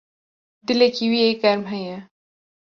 Dilekî wî yê germ heye.